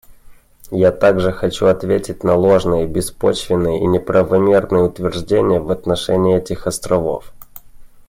Я также хочу ответить на ложные, беспочвенные и неправомерные утверждения в отношении этих островов.